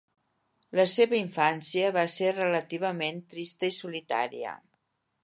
La seva infància va ser relativament trista i solitària.